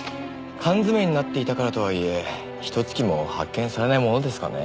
缶詰になっていたからとはいえひと月も発見されないものですかね？